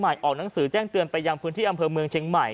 ออกหนังสือแจ้งเตือนไปยังพื้นที่อำเภอเมืองเชียงใหม่